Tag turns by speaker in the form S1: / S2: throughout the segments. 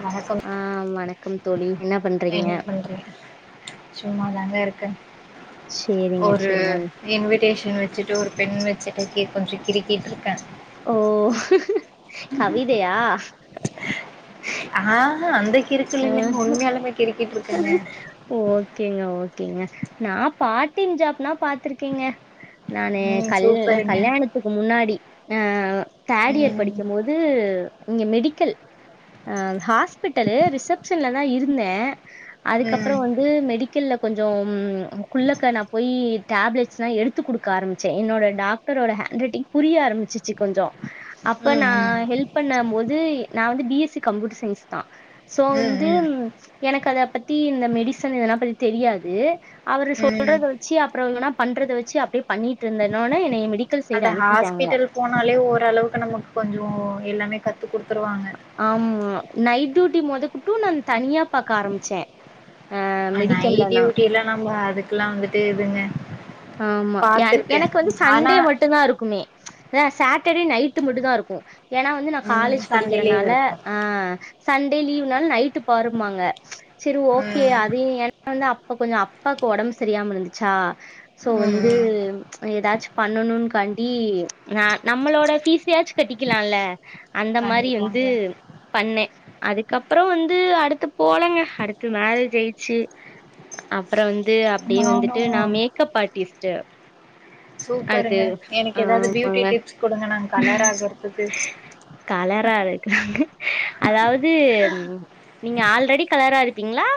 S1: வணக்கம்
S2: ஆ வணக்கம் தோழி என்ன பண்றீங்க?
S1: என்ன பே இருக்க.
S2: சேரிங்க
S1: ஒரு
S2: சேரிங்க
S1: இன்விடேஷன் வச்சுட்டு ஒரு பெண் வெச்சு. [unintelligible] கொஞ்சோ கிருக்கிட்டு இருக்க.
S2: ஓ ஹஹேஹ. கவிதையா.
S1: ஆஹ. ஆஹ அந்தக்கி. இருக்கு இல்லைன்னு உண்மையாளுமே கிருக்கிட் இருக்.
S2: [unintelligible] ஓகேங். ஓகேங்க நா பார்ட் டைம் ஜாப்னா பாத்துருக்கங்க. நானு
S1: ம்
S2: கல்
S1: சூப்பருங்க
S2: கல்யாணத்துக்கு முன்னாடி. ஆஹ. தேர்ட் இயர்
S1: ம்
S2: படிக்கும் போது. இங்க மெடிக்கல் ஹாஸ்பிட்டலு ரிசப்ஷன்லதா இருந்த. அதுக்கப்புறோ
S1: ம்
S2: வந்து மெடிக். கல்ல கொஞ்சோ குள்ளக்க நா போய் டேப்லெட்ஸ்ல்லா எடுத்து குடுக்க ஆரம்பிச்ச என்னோட டாக்டரோட ஹேண்ட் ரைட்டிங் புரிய ஆரம்பிச்சுச்சு கொஞ்சோ அப்ப
S1: ம்
S2: நா
S1: ம்
S2: ஹெல்ப் பண்ண போது நா வந்து பிஎஸ்சி கம்ப்யூட்டர் சயின்ஸ்தா. சோ
S1: ம்
S2: வந்து.
S1: ம்
S2: எனக்கு அத பத்தி இந்த மெடிசன் இதனா பத்தி தெரியாது. அவரு
S1: ம்
S2: சொல்றத வெச்சி அப்றோனா பண்றத வெச்சி அப்டியே பண்ணிட்டு இருந்தேனொன்னே என்னய மெடி.
S1: அந்த ஹாஸ்பிட்டல் போனாலே ஓரளவுக்கு நமக்கு கொஞ்சோ. எல்லாமே கத்.
S2: ஆமா நைட். டியூட்டி மொதகொட்டு நா தனியா பாக்க ஆரம்பிச்ச.
S1: ஆஹ நைட்டிடூட்டில்ல நம்ம அது. இக்கெல்லா வந்துட்ட ஏதுங்க.
S2: ஆமா எ எனக்கு வந்து சண்டே மட்டுதா இருக்குமே ம்ச். ஆ சேட்டடே நைட் மட்டுதா இருக்கு. ஏன்னா வந்து நா
S1: ம்
S2: காலேஜ்
S1: சண்டே லீவ்
S2: படிக்கிறனால
S1: இருக்கு
S2: ஆஹ. சண்டே லீவ்னால நைட்டு பாருபாங்க. ம்ச் சேரி ஓகே
S1: ம்
S2: அது ஏன்னா வந்து அப்ப கொஞ்சோ அப்பாக்கு ஒடம்பு சரியாம இருந்துச்சா. சோ வந்து ம்ச் ஏதாச்சு பண்ணணும்காண்டி நா நம்மளோட ப்பீஸ்யாச்சு கட்டிக்கலாம்ல அந்த மாரி. ரி வந்து
S1: கண்டிப்பாங்க
S2: பண்ண. அதுக்கப்றோ வந்து அடுத்து போலங்க அடுத்து மேரேஜ் ஆயிச்சி அப்றோ வந். து அப்டியே
S1: நானு
S2: வந்துட்டு நா மேக். makeup artist.
S1: சூப்பருங்க எனக்கு ஏதாவது பியூட்டி டிப்ஸ் கொடுங்க நாங்க கலர் ஆகறதுக்கு
S2: கலரா இருக்கற அதாவது நீங்க ஆல்ரெடி கலரா இருப்பீங்களா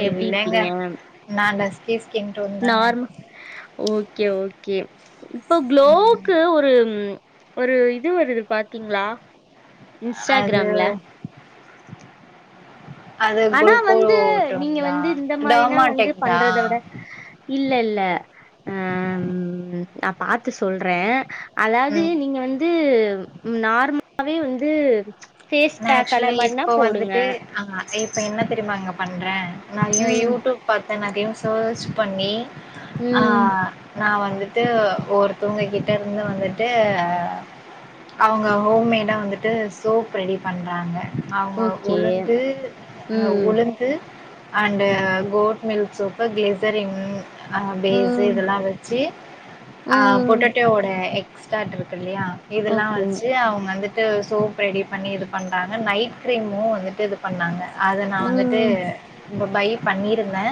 S1: இல்லைங்க நானஸ்
S2: நார் ஓகே ஓகே ஓகே இப்போ
S1: ம்
S2: குளோக்கு ஒரு ஒரு இது வருது பாத்தீங்களா
S1: அது
S2: இன்ஸ்டாகிராம்ல
S1: அது
S2: ஆனா
S1: குல்
S2: வந்து
S1: கோல்ட்ட
S2: நீங்க வந்து
S1: தான்
S2: இந்த மாரினா வந்து
S1: டமாடக் தா
S2: பண்றத விட இல்ல இல்ல ஹ ம் நா பாத்து சொல்றே அதாவது
S1: ம்
S2: நீங்க வந்து வந்து நார்மலாவே வந்து பேஸ்
S1: நா
S2: பேக்
S1: ஆக்சுவலா
S2: அந்த
S1: இப்போ
S2: மாதிரிலாம் போடுங்க
S1: வந்துட்டு ஆ இப்ப என்ன தெரியுமாங்க பண்றேன் நான்
S2: ம்
S1: யூடியூப் பாத் அத நிறைய சேர்ச் பண்ணி ஆ
S2: ம்
S1: நா வந்து வந்துட்டு ஒருத்தவங்க கிட்ட இருந்து வந்துட்டு அவங்க ஹோம்மேடா வந்துட்டு சோப் ரெடி பண்றாங்க அவுங்க
S2: ஓகே
S1: உளுந்து அ
S2: ம்
S1: உளுந்து and goat milk soap glycerin a base
S2: ம்
S1: இதெல்லாம் வச்சு அ
S2: ம்.
S1: பொட்டட்டோட எக் ஸ்டாட்பிட் இல்லையா இதெல்லாம்
S2: ஓகே.
S1: வச்சு அவங்க வந்து சோப் ரெடி பண்ணி இருந்திட்டு பண்றாங்க நைட் கிரீமு வந்துட்டு இது பண்ணாங்க அத நா வந்துட்டு
S2: ம்.
S1: இப்ப பை பண்ணியிருந்தே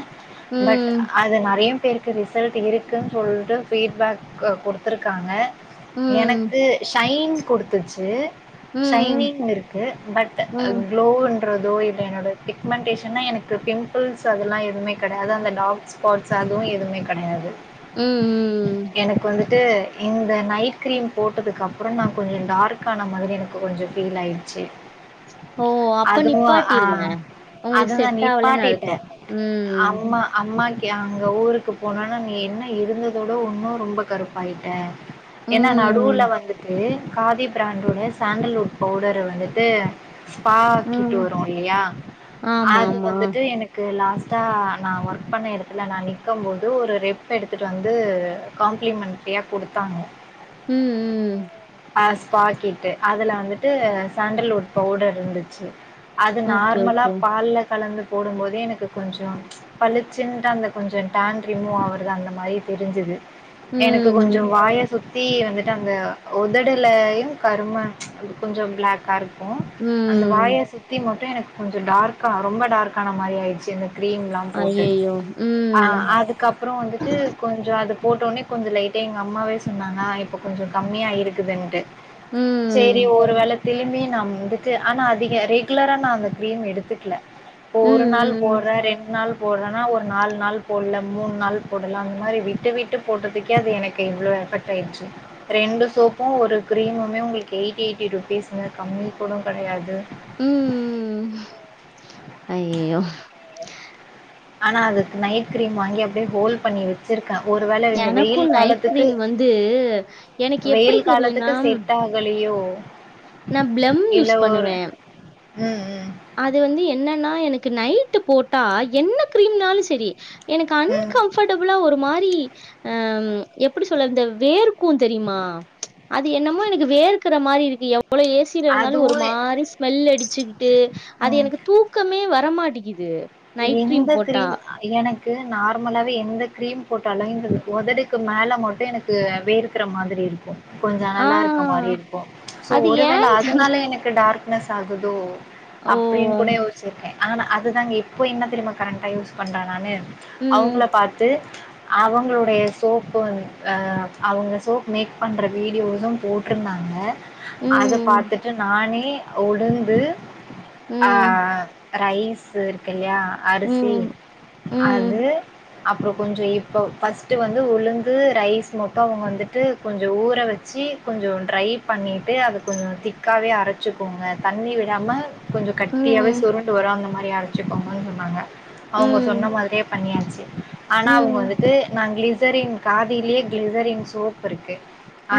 S1: பட்
S2: ம்.
S1: அது நிறைய பேருக்கு ரிசல்ட் இருக்குன்னு சொல்லிட்டு ஃபீட்பேக் கொடுத்துருக்காங்க
S2: ம்.
S1: எனக்கு சைண் கொடுத்துச்சு
S2: ம்.
S1: சைனிங் இருக்கு பட்
S2: ம்.
S1: க்ளோ கட்டுறதோ இல்லை என்னோடய பிக்மெண்டடேஷன்னா எனக்கு பிம்பிள்ஸ் அதெல்லாம் எதுமே கிடையாது அந்த டார்க் ஸ்பாட்ஸ் அதுவும் எதுவுமே கிடையாது
S2: ம்.
S1: எனக்கு வந்து வந்துட்டு இந்த நைட் க்ரீம் போட்டதுக்கப்புறம் நான் கொஞ்சம் டார்கான மாதிரி எனக்கு கொஞ்சம் ஃபீல் ஆகிடும் சேரி
S2: ஓ அப்ப நிப்பாட்டிருங்க உங்களுக்கு
S1: அதுதா
S2: செட் ஆகலன்னு
S1: நிப்பாட்டிட்டே
S2: அர்தோம் உம்ம்
S1: அங்கே ஊருக்கு போனோனா நீ என்ன இருந்ததோட ஒன்றும் ரொம்ப கருப்பாயிட்ட என்ன நடுவுல
S2: ம்.
S1: வந்துட்டு காதி பிராண்டோட சாண்டல்வுட் பவுடர் வந்துட்டு ஸ்பாக்கிட்டு
S2: ம்.
S1: வரும் இல்லையா அது
S2: ஆமாமா.
S1: வந்துட்டு எனக்கு லாஸ்ட் தா நான் ஒர்க் பண்ண இடத்துல நான் நிக்க போது ஒரு ரெப் எடுத்துட்டு வந்து காம்ப்ளிமென்டரியா கொடுத்தாங்க
S2: உம் உம்
S1: ஸ் பார்க்கிட்டு அதில் வந்துட்டு சாண்டில்வுட் பவுடர் இருந்துச்சு அது
S2: ஓகே,
S1: நார்மலா
S2: ஓகே.
S1: பால் கலந்து போடும்போதே எனக்கு கொஞ்சம் பழிச்சின்ட்டு அந்த கொஞ்சம் டேன் ரிமூவ் ஆகுறது அந்த மாரி தெரிஞ்சுது எனக்கு கொஞ்சம்
S2: ம்.
S1: வாய சுத்தி தீ வந்துட்டு அந்த உதடலயும் கரும்மாஞ் கொஞ்சம் பிளாக் கருப்பு அந்த
S2: ம்.
S1: வாய சுத்தி மட்டு எனக்கு கொஞ்சம் டார்கா ரொம்ப டார்கான மாரி ஆயிடுச்சு இந்த கிரீம்ல்லா போட்டு
S2: ஐயய்யோ!
S1: ஆ
S2: ம்.
S1: அதுக்கு அப்புறம் வந்துட்டு கொஞ்ச அது போட்டோனே கொஞ்சம் லைட்டே எங்கள் அம்மாவே சொன்னாங்கா இப்போ கொஞ்சம் கம்மியாக ஆயிருக்குதுன்ட்டு சேரி
S2: ம்.
S1: ஒரு வேளை தேம்மே நான் வந்துட்டு ஆனால் அதிகம் ரெகுலராக நான் அந்த க்ரீம் எடுத்துக்கல
S2: ம்.
S1: ஒரு நாள்
S2: ம்.
S1: போற ரெண்டு நாள் போடுறன்னா ஒரு நாலு நாள் போடல மூணு நாள் போடல அந்த மாதிரி விட்டு விட்டு போட்டதுக்கே அது எனக்கு இவ்வளோ எஃபெக்ட் ஆயிடுச்சு ரெண்டு சோப்பும் ஒரு கிரீமுமே உங்களுக்கு எயிட்டி எயிட்டி ருபீஸ் கம்மி கூட கிடையாது
S2: அய்யயோ
S1: ஆனா அதுக்கு நைட் கிரீம் வாங்கி ப்ப ஹோல் பண்ணி வச்சிருக்கேன் ஒருவேளை இந்த வெயில்
S2: எனக்கும் நைட்
S1: காலத்துக்கு
S2: கிரீம் வந்து எனக்கு எப்படி
S1: வெயில் காலத்துக்கு
S2: தெரியும்னா,
S1: செட்டாகலையோ
S2: நான் பிளம் யூஸ் பண்ணுவேன்
S1: உம் உம்
S2: அது வந்து என்னன்னா எனக்கு நைட்டு போட்டா என்ன கிரீம்னாலும் சேரி எனக்கு
S1: ம்
S2: அன்கம்பர்டபிளா ஒரு மாரி எப்படி சொல்லர்து வேர்க்ம் தெரியுமா அது என்னமோ எனக்கு வேர்க்குற மாரி இருக்கு எவ்வ இ்ல்ல ஏசியில இருந்தாலும் ஒரு
S1: அதுவு
S2: மாரி ஸ்மெல் அடிச்சுக்கிட்டு அது
S1: ம்
S2: எனக்கு தூக்கமே வரமாட்டேக்குது
S1: எந்த கிரீம் எனக்கு க்கு நார்மலாவவே எந்த கிரீம் போட்டாலும் இந்த உதடுக்கு மேல மட்டும் எனக்கு வேர்க்குற மாதிரி இருக்கும் கொஞ்சே
S2: ஆ
S1: நல்லா இருக்க மாரி இருக்கும் சோ
S2: அது
S1: ஒரு வேளை
S2: ஏன்
S1: அதனால எனக்கு டார்க் [unintelligible] ஆகுதோ
S2: ஓ!
S1: அப்டின்னு கூட யோசிச்சிருக்கேன் ஆனா அதுதாங்க இப்போ என்ன தெரியுமா கரண்டா யூஸ் பண்றேன் நானு அவுங்கள
S2: ம்,
S1: பாத்து அவுங்களுடைய சோப்பு வந் அவுங்க சோப் மேக் பண்ற வீடியோசும் போட்டுருந்தாங்க அத
S2: ம்,
S1: பாத்துட்டு நானே உளுந்து
S2: ம்,
S1: ஆஹ் ரைஸ்சு இல்லயா அரிசி
S2: ம், ம்,
S1: அது
S2: ம்,
S1: அப்றோ கொஞ்சே இப்ப ஃபர்ஸ்ட் வந்து உளுந்து ரைஸ் மட்டும் அவுங்க வந்துட்டு கொஞ்சே ஊற வச்சு கொஞ்சே ட்ரை பண்ணிட்டு அது கொஞ்சே திக்காவே அரைச்சுக்கோங்க தண்ணி விடாம கொஞ்சே கட்டியாவே
S2: ம்,
S1: சுருண்டு வரும் அந்த மாரி ஆ வச்சிக்கோங்கனு சொன்னாங்க அவுங்க
S2: ம்,
S1: சொன்ன மாதிரியே பண்ணியாச்சு ஆனா அவுங்க வந்துட்டு நாங்களே கிளிஸரின் காதிலே கிளிஸரின் சோப் இருக்கு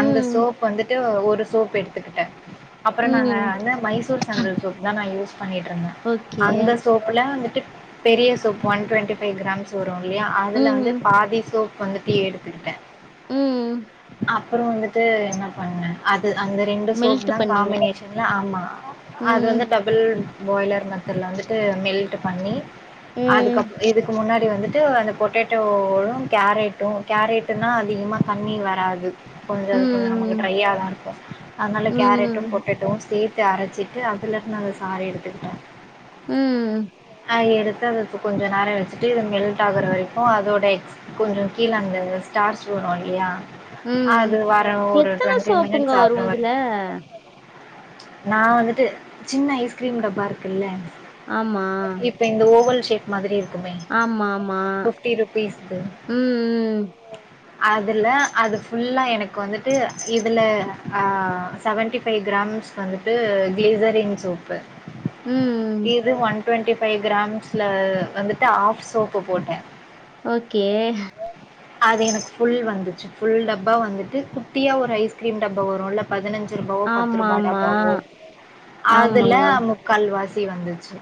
S1: அந்த சோப் வந்துட்டு ஒரு சோப் எடுத்துக்கிட்டன் அப்றோ நாங்க
S2: ம்,
S1: அந்த மைசூர் சான்டில் சோப் தான் நான் யூஸ் பண்ணிட்டு இருந்தன்
S2: ஓகே.
S1: அந்த இப்பலாம் வந்துட்டு பெரிய soap one twenty five grams இல்லையா அதுல வந்து
S2: ம்.
S1: பாதி சோப் வந்துட்டு எடுத்துகிட்டன்
S2: உம்
S1: அப்றோ வந்துட்டு என்ன பண்ணேன் அ து அந்த ரெண்டு சோப்
S2: மெல்ட்
S1: தா
S2: பண்ணீங்க.
S1: காம்பினேஷன்ல ஆமா அது
S2: ம்.
S1: வந்து டபுள் பாய்லர் மெத்தட்ல வந் து மெல்ட் பண்ணி அதுக்
S2: ம்.
S1: அப் இதுக்க முன்னாடி வந்து ட்டு அந்த பொட்டேடோவும் கேரேட்டும் கேரேட்டுன்னா அதிகமாக தண்ணி வராது கொஞ்சம் அது கொஞ்சம் நமக்கு
S2: ம்.
S1: ட்ரை யா தான் இருக்கும் அதனால கேரட்டும்
S2: ம்.
S1: பொட்டேட்டோ சேத் து அரச்சிட்டு அதுல இருந்து அந்த சார எடுத்துக்கிட்டோம்
S2: உம்
S1: ஹ எடுத்து [unintelligible] கொஞ்ச நேரம் வச்சுட்டு இது மெல்ட் ஆகுற வரைக்கும் அதோட எக்ஸ் கொஞ்சம் கீழ அந்த ஸ்டார்ஸ் வரும் இல்லையா
S2: ம்.
S1: அது வர ஒரு
S2: எத்தன
S1: டுவெண்டி
S2: சோப்புங்க
S1: மினிட்ஸ்
S2: வரும்
S1: ஆஃப்டர்
S2: இதுல?
S1: [unintelligible] நான் வந்துட்டு சின்ன ஐஸ்கிரீம் டப்பா இருக்குல்ல
S2: ஆமா
S1: ஷேக் மாதிரி இருக்குமே
S2: ஆமா ஆமா
S1: ஃபிஃப்டி ருபீஸ்து
S2: உம் உம்
S1: அதுல அது ஃபுல்லா எனக்கு வந்துட்டு இதுல ஆஹ் செவன்டி ஃபைவ் கிராம்ஸ் வந்துட்டு கிளேசரிங் சோப்பு
S2: உம்
S1: இது வந் டு்வெண்ட்டி ஃபைவ் கிராம்ஸ்ல வந்துட்டு ஆஃப் சோப்பு போட்டேன்
S2: ஓகே
S1: அது எனக்கு ஃபுல் வந்துச்சு ஃபுல் டப்பா வந்துட்டு குட்டியா ஒரு ஐஸ்கிரீம் டப்பா வரும் இல்ல பதினஞ்சு ரூபாவோ பத்து ரூபா
S2: ஆமாமா.
S1: டப்பாவோ
S2: ஆமா. ஆமா
S1: அதுல முக்கால்வாசி [unintelligible] வந்துச்சு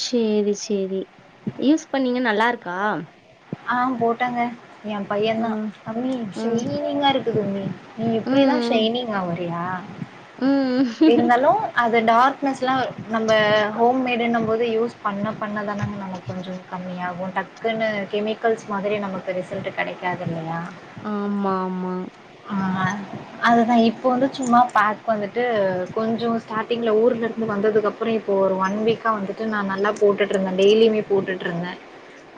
S2: செரி செரி யூஸ் பண்ணீங்க நல்லா இருக்கா
S1: ஆஹ் போட்டாங்க என் பையதா
S2: ம்.
S1: அம்மி [unintelligible]
S2: ம்.
S1: [unintelligible] நீ இப்டிதான்
S2: ம்.
S1: சைனிங் ஆவ சியா
S2: ம்.
S1: இருந்தாலும் அத் அந்த டார்க்னஸ்லாம் நம்ப ஹோம்மேடுன்னம் போது யூஸ் பண்ண பண்னாதானங்க நமக் கொஞ்சம் கம்மியாகும் டக்குனு கெமிக்கல்ஸ் மாதிரி நமக்கு ரிசல்ட் கடைக்காது இல்லயா
S2: ஆமா மா
S1: அதுதான் இப்ப வந்து சும்மா பாக் வந்துட்டு கொஞ்சம் ஸ்டார்ட்டிங்ல ஊர்ல இருந்து வந்ததுக்கப்பறம் இப்போ ஒரு ஒன் வீக்கா வந்துட்டு நான் நல்லா போட்டுட்டு இருந்தேன் டெய்லியுமே போட்டுட்டு இருந்தேன்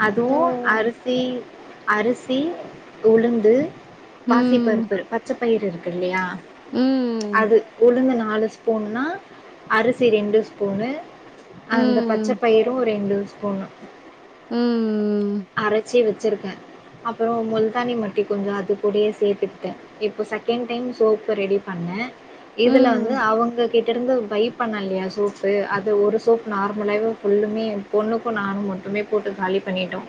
S1: அதுவும்
S2: ம்.
S1: அரிசி அரிசி உளுந்து பாசி
S2: ம்.
S1: பருப்பு பச்ச பயிறு இருக்கு இல்லியா
S2: ம்.
S1: அது உளுந்து நா நாலு ஸ்பூன்னா அரிசி ரெண்டு ஸ்பூனு அந்த பச்ச
S2: ம்.
S1: பயிரு ரெண்டு ஸ்பூனு
S2: உம் ம்
S1: அரச்சி வச்சுருக்கே அப்பறோ முல்தானி மட்டி கொஞ்ச அதுகூடயே சேத்துக்ட்டே இப்போ செகண்ட் டைம் சோப்பு ரெடி பண்ணே இதுல வந்து அவுங்க கிட்டருந்து பை பண்ணல்லையா சோப்பு அது ஒரு சோப் நார்மலாவே ஃபுல்லுமே பொண்ணுக்கு நானு மட்டுமே போட்டு காலி பண்ணிட்டோ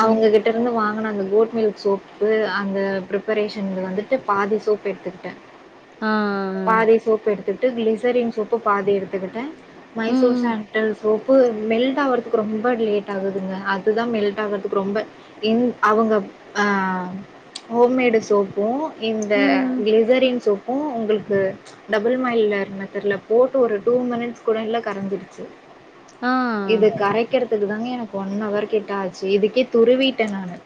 S1: அவுங்ககிட்டருந்து வா ங்குன அந்த கோட் மில்க் சோப்பு அந்த ப்ரிப்பரேஷன்ல வந்துட்டு பாதி சோப் எடுத்துக்கிட்டே
S2: ஆ ஆ ஆ
S1: த்துட்டு கிளிசரின் சோப்பு பாதி எடுத்துக்கிட்டே மைசூர் சேன்ட்டல் சோப்பு மெல்ட் ஆவுறதுக்கு ரொம்ப லேட் ஆகுதுங்க அதுதா மெல்ட் ஆகுறதுக்கு ரொம்ப என் அவுங்க ஆ ஹோம்மேடு சோப்பு இந்த கிளிசரின் சோப் பூ உங்கள்க்கு டபுள் மயில்லர் மெத்தட்ல போட்டு ஒரு டூ மினிட்ஸ் கூட இல்ல கரஞ்சிருச்சு
S2: ஆ.
S1: இது கரைக்கிற துக்கு தாங்க எனக்கு ஒன் அவர் கிட்ட ஆ ச்சு இதுக்கே துருவீட்டன் நானு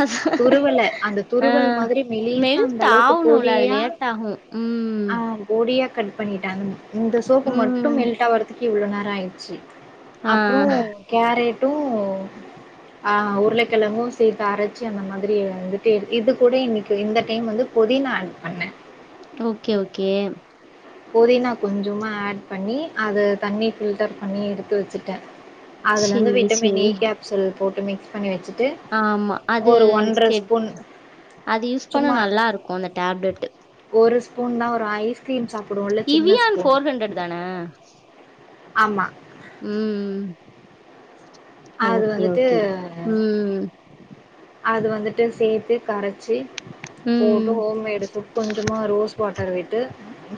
S2: அஸ்
S1: துருவல அந்த
S2: ஆ
S1: துருவல் மாதிரி மெலிசா அந்த
S2: மெல்ட்
S1: அளவுக்கு
S2: ஆவணும்ல. அது
S1: பொடியா
S2: லேட் ஆகும். ம்.
S1: அ பொடியா கட் பண்ணிட்டாங்க இந்த சோப்பு மட்டும்
S2: ம்.
S1: மெல்டாவரத்து க்கி இவ்ளோ நேர ஆயிருச்சு
S2: ஆ.
S1: அப்றோ கேரே ட்டூ ஆ உருளைக்கெழங்கு சேத்து அரச்சி அந்த மாதிரி வந்துட்டு இது கூட இன்னைக்கு இந்த டைம் வந்து பொதினா ஆட் பண்ணே
S2: ஓகே ஓகே
S1: பொதினா கொஞ்சமா ஆட் பண்ணி அது தண்ணி ஃபில்டர் பண்ணி எடுத்து வச்சுட்டே அதுலந்து
S2: சரி,
S1: விட்டமின் இ
S2: சரி.
S1: கேப்சுல் போட்டு மிக்ஸ் பண்ணி வச்சு
S2: ஆமா அது சேப் அது யூஸ் பண்ண
S1: சும்மா
S2: நல்லாருக்கூ அந்த டேப்லட்டு
S1: ஒரு ஸ்பூன் தா ஒ ரு ஐஸ்கிரீம் சா
S2: இவியான் ஃபோர் ஹண்ட்ரட் தான
S1: ஆமா
S2: உம் உம்
S1: அது
S2: ஓக்கே
S1: வந்து
S2: ஓக்கே உம் உம்
S1: அது வந்துட்டு சேத்து கரைச்சு
S2: ம்.
S1: போட்டு ஹோம்மேடு கொஞ்சமா ரோஸ் வாட்டர் விட்டு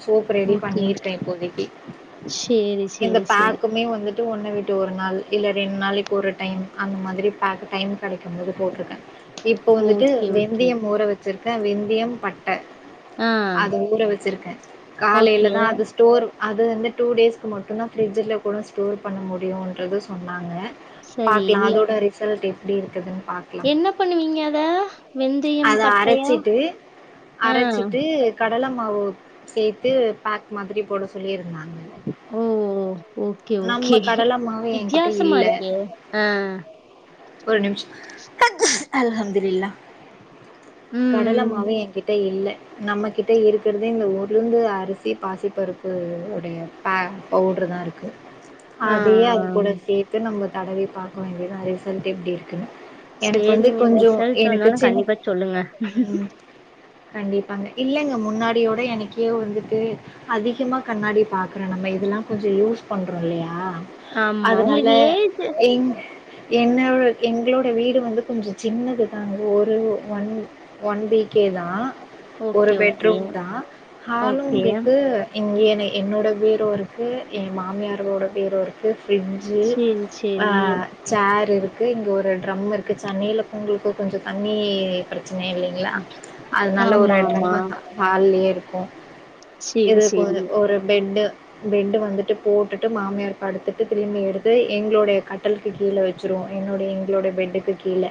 S1: சோப் ரெடி
S2: ஓகே.
S1: பண்ணிருக்கேன் இப்போதைக்கு
S2: சரி,
S1: இந்த
S2: சரி, சரி.
S1: பேக்குமே வந்துட்டு ஒன்ன விட்டு ஒரு நாள் இல்ல ரெண்டு நாள் ஒரு டைம் அந்த மாதிரி ப டைமு கிடைக்கும்போது போட்டிருக்கேன் இப்போ வந்துட்டு
S2: ஓகே, ஓகே.
S1: வெந்தயம் ஊற வச்ச இருக்கா வெந்தயம்
S2: ஆ.
S1: அத ஊற வச்சிருக்கேன் காலையில
S2: ஓகே.
S1: தான் அது ஸ்டோர் அது வந்து டூ டேஸ்க்கு மட்டும்தான் ஃப்ரிட்ஜில் கூட ஸ்டோர் பண்ண முடியுன்றத சொன்னாங்க
S2: சரி.
S1: பாக்கலாம் அதோட ரிசல்ட் எப்படி இருக்கு
S2: என்ன பண்ணுவீங்க அத வெந்தயம்,
S1: அத
S2: பட்டையா?
S1: அரைச்சிட்டு
S2: ஆ.
S1: அரைச்சிட்டு கடல மாவு சேர்த்து பேக் மாதிரி போட சொல்லியிருந்தாங்க
S2: ஓ ஓக்கே
S1: நம்ம
S2: ஓக்கே
S1: கடல மாவு என்கிட்ட
S2: வித்தியாசமா
S1: இல்ல
S2: இருக்கே ஆஹ்
S1: ஒரு நிமிஷம் அல்ஹமதுல்ல
S2: ம்.
S1: கடலமாவே என்கிட்ட இல்ல நம்மகிட்ட இருக்கறதே இந்த உளுந்து அரிசி பாசிப்பருப்பு உடைய பவுடரு தான் இருக்கு
S2: ஆ.
S1: அதையே அது கூட சேர்த்து நம்ம தடவி பாக்க வேன்டியதா வந்துட்டு எப்படி இருக்குனு
S2: செரிங்க ரிசல்ட் வந்தோனே
S1: சின்
S2: கண்டிப்பா சொல்லுங்க
S1: ம் கண்டிப்பாங்க இல்லங்க முன்னாடியோட எனக்கே வந்துட்டு அதிகமா கண்ணாடி பாக்குறேன் நம்ம இதெல்லா கொஞ்சோ யூஸ் பண்றோம்ல
S2: ஆமா.
S1: அதனால
S2: உங்களுக்கு ஏஜ்
S1: இங் என்னோட எங்களோடய வீடு வந்து கொஞ்சோ சின்னதுதாங்க ஒரு ஒன் ஒன் பீக்கே தான் ஒரு
S2: ஓகே, ஓகே.
S1: பெட்ரூம் தான் ஹாலும்
S2: ஓகே.
S1: உங்களுக்கு இங்க என்னோட பீரோ இருக்கு என் மாமியாரோட பீரோ இருக்கு ஃபிரிட்ஜு
S2: சரி, சரி.
S1: ஆஹ் சேர் இருக்குது இங்கே ஒரு ட்ரம் இருக்குது சென்னையில பொங்களுக்கு கொஞ்சோ தண்ணி பிரச்சன இல்லைங்களா அதனால ஒரு
S2: ஆமா, ஆமா.
S1: டரம்மு ஹாலுலையே இருக்கு அப்ப
S2: சரி,
S1: இதுக்கு
S2: சரி.
S1: ஒரு ஒரு பென் பெட்டு வந்துட்டு போட்டுட்டு மாமியார் படுத்துட்டு திரும்பி எடுத்து எங்களுடைய கட்டில் க்கு கீழ வச்சுருவோ என்னுடைய எங்களுடைய பெட்டுக்கு கீழ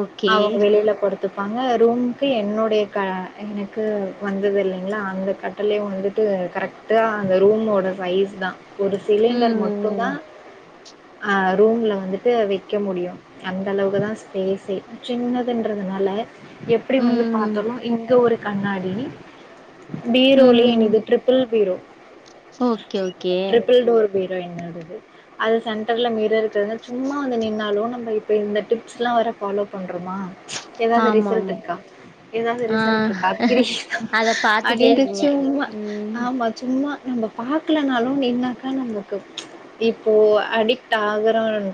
S2: ஓகே.
S1: அவங்க வெளில படுத்து ப்பாங்க ரூம்க்கு என்னுடைய க எனக்கு வந்தது இல்லைங்ளா அந்த கட்டுலே வந்துட்டு கரெக்டாக அந்த ரூமோட சைஸ் தான் ஒரு சிலிண்டர் மட்டும்தா
S2: ம்.
S1: ஆஹ் ரூம்ல வந்துட்டு வைக்க முடியும் அந்தளவுக்கு தான் ஸ்பேசே சின்னதுன்றதுனால எப்டி வந்து
S2: ம்.
S1: பார்த்தாலும் இங்க ஒரு கண்ணாடி பீரோலயே
S2: ம்.
S1: எங்களது triple bureau
S2: okay, okay.
S1: Triple door bureau என்னதுது அது சென்டர்ல மிரர் [unintelligible] சும்மா வந்து நின்னாலும் இப்ப இப்ப இந்த டிப்ஸ்ல்லாம் வேற ஃபாலோ பண்ணு ரோமா எதாது ரிசல்ட்டு
S2: ஆமாமா.
S1: இருக்கா எதாது
S2: ஆ.
S1: ரிசல்ட்ருக்கா அப்டியே
S2: அத பாத்துட்டே
S1: அப்டின்ட்டு
S2: இருப்பீங்க.
S1: சும்மா
S2: ம்.
S1: ஆமா சும்மா நம்ம பாக்கலனாலும் என்னாக்கா நமக்கு இப்போ அடிக்ட் ஆக [unintelligible]